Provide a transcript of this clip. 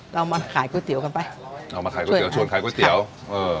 เรามาขายก๋วยเตี๋ยวกันไปเรามาขายก๋วเตี๋ชวนขายก๋วยเตี๋ยวเออ